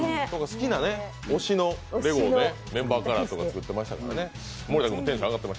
好きな、推しのレゴをメンバーカラーとか作ってましたから。